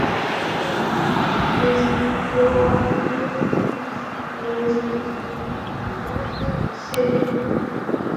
ঐযে দেখো, আমার কেলমা শুরু হয়েছে - কতজন নিচে আছে?